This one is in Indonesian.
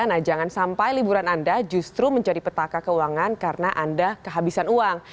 nah jangan sampai liburan anda justru menjadi petaka keuangan karena anda kehabisan uang